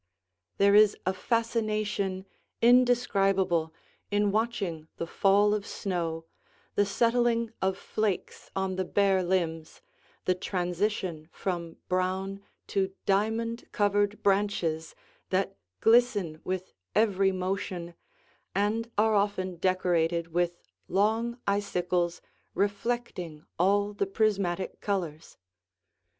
There is a fascination indescribable in watching the fall of snow, the settling of flakes on the bare limbs, the transition from brown to diamond covered branches that glisten with every motion and are often decorated with long icicles reflecting all the prismatic colors.